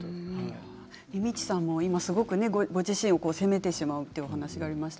みちさんもご自身を責めてしまうというお話がありました。